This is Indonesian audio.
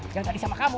yang tadi sama kamu